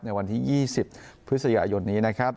ในวันที่๒๐พฤษยาหย่อนนี้นะครับ